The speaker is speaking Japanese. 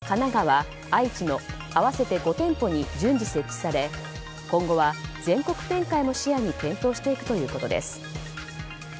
メルカリブースは東京、神奈川、愛知の合わせて５店舗に順次設置され今後は全国展開も視野に検討していくということです。